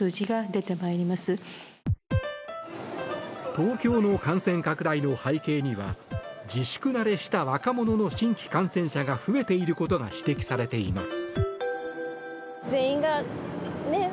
東京の感染拡大の背景には自粛慣れした若者の新規感染者が増えていることが指摘されています。